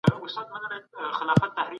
او مخ په وړاندې لاړ شو.